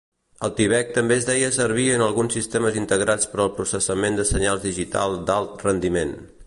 AltiVec també es deia servir en alguns sistemes integrats per al processament de senyals digital d'alt rendiment.